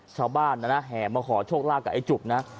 ชาวบ้านน่ะนะแห่งมาขอชกล่ากับไอ้จุกนะฮะ